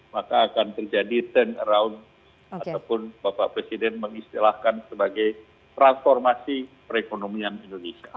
maka akan terjadi turn around ataupun bapak presiden mengistilahkan sebagai transformasi perekonomian indonesia